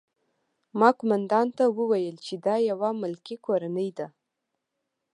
ما قومندان ته وویل چې دا یوه ملکي کورنۍ ده